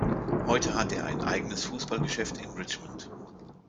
Heute hat er ein eigenes Fußballgeschäft in Richmond.